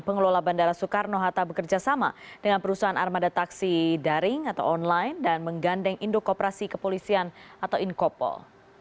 pengelola bandara soekarno hatta bekerjasama dengan perusahaan armada taksi daring atau online dan menggandeng indokoperasi kepolisian atau inkopol